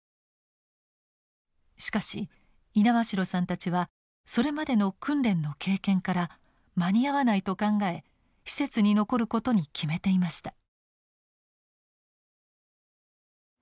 しかし猪苗代さんたちはそれまでの訓練の経験から間に合わないと考え施設に残ることに決めていました。